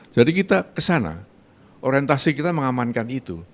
jadi kita ke sana orientasi kita mengamankan itu